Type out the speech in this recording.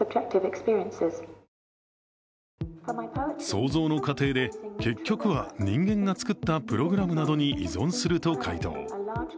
創造の過程で結局は人間が作ったプログラムなどに依存すると回答。